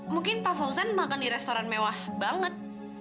mungkin pak fauzan makan di restoran mewah banget